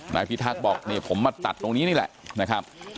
พิทักษ์บอกนี่ผมมาตัดตรงนี้นี่แหละนะครับ